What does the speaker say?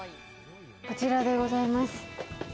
こちらでございます。